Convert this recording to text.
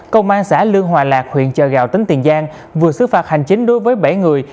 công an xã lương hòa lạc huyện chợ gạo tỉnh tiền giang vừa xứ phạt hành chính đối với bảy người